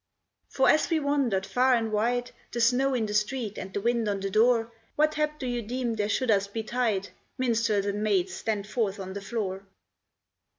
For as we wandered far and wide, The snow in the street, and the wind on the door, What hap do you deem there should us betide? Minstrels and maids, stand forth on the floor.